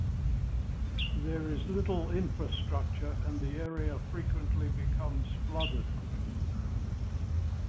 There is little infrastructure and the area frequently becomes flooded.